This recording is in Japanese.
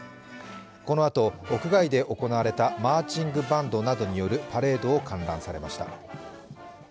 このあと屋外で行われたマーチングバンドなどによるパレードを観覧されました。